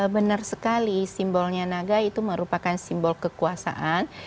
benar sekali simbolnya naga itu merupakan simbol kekuasaan